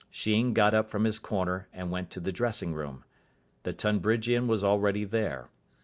Sheen got up from his corner and went to the dressing room. The Tonbridgian was already there.